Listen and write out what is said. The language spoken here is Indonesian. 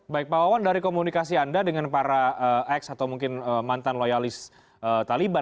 baik pak wawan dari komunikasi anda dengan para ex atau mungkin mantan loyalis taliban